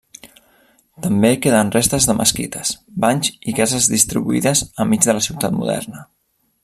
També queden restes de mesquites, banys, i cases distribuïdes enmig de la ciutat moderna.